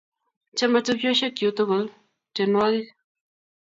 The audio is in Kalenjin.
Chame tupchosyek chuk tukul tyenwogik